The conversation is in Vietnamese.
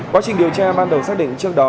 quá trình điều tra ban đầu xác định trước đó